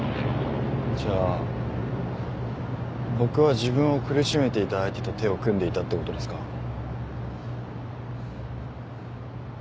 じゃあ僕は自分を苦しめていた相手と手を組んでいたってことですか？